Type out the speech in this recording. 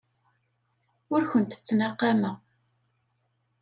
Ur kent-ttnaqameɣ.